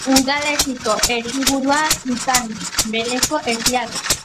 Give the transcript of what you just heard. Udalerriko herriburua izen bereko herria da.